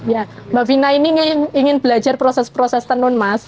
ya mbak vina ini ingin belajar proses proses tenun mas